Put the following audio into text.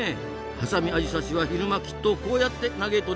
ハサミアジサシは昼間きっとこうやって嘆いておりますぞ。